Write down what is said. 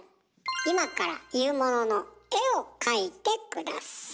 今から言うものの絵を描いて下さい。